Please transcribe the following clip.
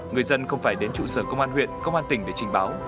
người dân không phải đến trụ sở công an huyện công an tỉnh để trình báo